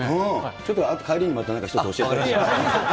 ちょっと帰りにまたなんか一つ、教えてあげて。